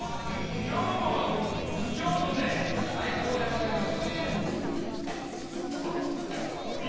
今日も今日とて最高でございます。